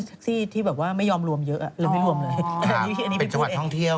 ได้แท็กซี่ที่แบบว่าไม่ยอมรวมเยอะไม่รวมเลยอันนี้พี่พูดเองเป็นจังหวัดท่องเที่ยว